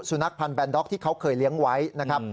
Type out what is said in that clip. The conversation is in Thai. สุนัขพันธ์แนนด๊อกที่เขาเคยเลี้ยงไว้นะครับ